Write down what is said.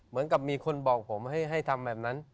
เหมือนกับมีคนบอกผมให้ทำแบบนั้น